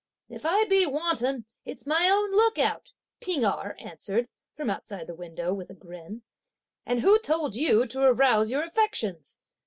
"If I be wanton, it's my own look out;" P'ing Erh answered, from outside the window, with a grin, "and who told you to arouse your affections?